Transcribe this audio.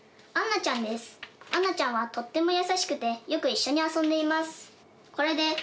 杏奈ちゃんはとっても優しくてよく一緒に遊んでいます。